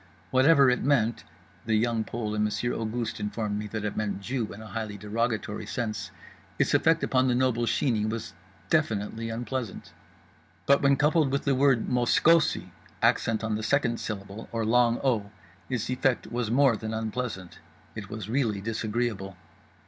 Whatever it meant (The Young Pole and Monsieur Auguste informed me that it meant "Jew" in a highly derogatory sense) its effect upon the noble Sheeney was definitely unpleasant. But when coupled with the word "moskosi," accent on the second syllable or long o, its effect was more than unpleasant—it was really disagreeable.